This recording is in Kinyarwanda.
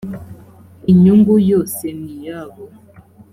inyungu yose niyabo.